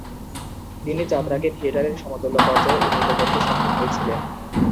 তিনি যাত্রাকে থিয়েটারের সমতুল্য পর্যায়ে উন্নীত করতে সক্ষম হয়েছিলেন।